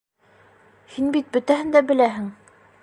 Һин бит бөтәһен дә беләһең!